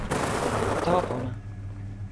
tawa pona!